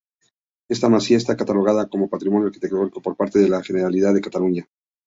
Esta masía está catalogada como patrimonio arquitectónico por parte de la Generalidad de Cataluña.